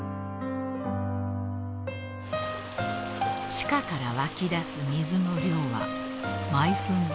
［地下から湧き出す水の量は毎分３０ｔ］